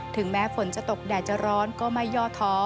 แม้ฝนจะตกแดดจะร้อนก็ไม่ย่อท้อ